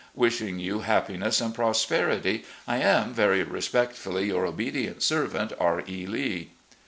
Wishing you happiness and prosperity, I am. Very respectfully, "Your obedient servant, "R. E. Lee."